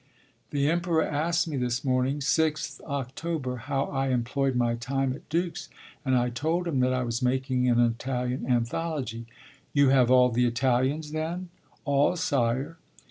The Emperor asked me this morning, 6th October, how I employed my time at Dux, and I told him that I was making an Italian anthology. 'You have all the Italians, then?' 'All, sire.'